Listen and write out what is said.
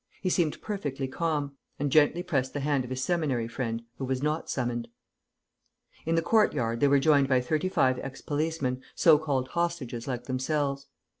He seemed perfectly calm, and gently pressed the hand of his Seminary friend who was not summoned. In the courtyard they were joined by thirty five ex policemen, so called hostages like themselves.